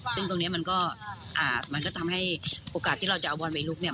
ซึ่งตรงนี้มันก็มันก็ทำให้โอกาสที่เราจะเอาบอลไปลุกเนี่ย